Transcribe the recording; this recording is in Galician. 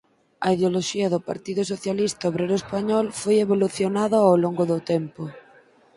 A ideoloxía do Partido Socialista Obrero Español foi evolucionado ao longo do tempo.